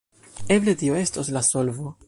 Eble tio estos la solvo.